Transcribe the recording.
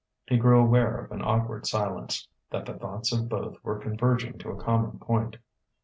He grew aware of an awkward silence: that the thoughts of both were converging to a common point.